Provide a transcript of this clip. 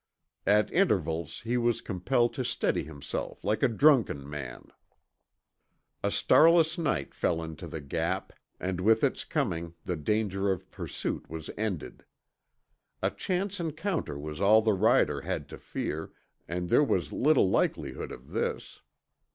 At intervals he was compelled to steady himself like a drunken man. A starless night fell into the Gap, and with its coming the danger of pursuit was ended. A chance encounter was all the rider had to fear, and there was little likelihood of this.